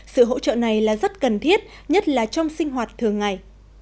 sự hỗ trợ này là rất cần thiết nhất là trong sinh hoạt thường ngày